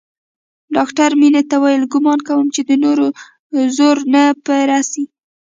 ډاکتر مينې ته وويل ګومان کوم چې د نورو زور نه پې رسي.